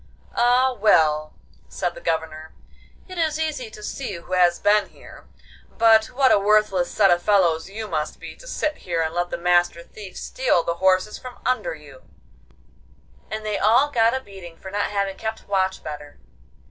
'Ah, well,' said the Governor, 'it is easy to see who has been here; but what a worthless set of fellows you must be to sit here and let the Master Thief steal the horses from under you!' And they all got a beating for not having kept watch better.